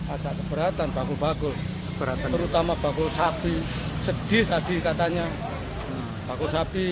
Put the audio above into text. ada keberatan bakul bakul terutama bakul sapi sedih tadi katanya baku sapi